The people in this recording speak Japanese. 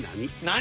何！？